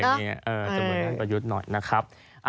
จะเหมือนท่านประยุทธ์หน่อยนะครับ